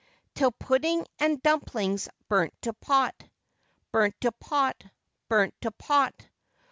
Till pudding and dumpling's burnt to pot, Burnt to pot! burnt to pot!